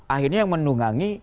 akhirnya yang menunggangi